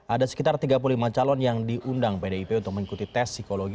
ada sekitar tiga puluh lima calon yang diundang pdip untuk mengikuti tes psikologi